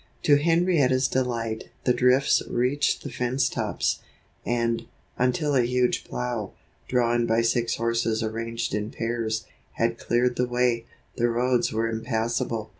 To Henrietta's delight, the drifts reached the fence tops; and, until a huge plow, drawn by six horses arranged in pairs, had cleared the way, the roads were impassable.